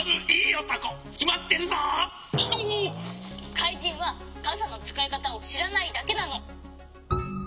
「かいじんはかさのつかいかたをしらないだけなの」。